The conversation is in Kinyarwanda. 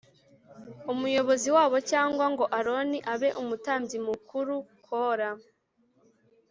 Umuyobozi wabo cyangwa ngo aroni abe umutambyi mukuru kora